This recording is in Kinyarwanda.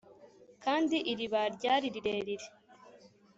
kandi iriba ryari rirerire